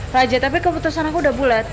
raja tapi keputusan aku udah bulat